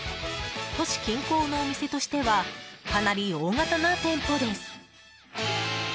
都市近郊のお店としてはかなり大型な店舗です。